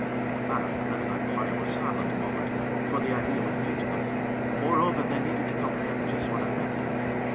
At that, the men about the fire were silent a moment; for the idea was new to them, and moreover they needed to comprehend just what I meant.